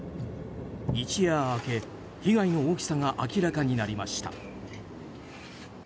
一夜明け、被害の大きさが明らかになりました。